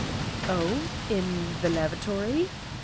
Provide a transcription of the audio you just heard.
" "Oh! In the lavatory!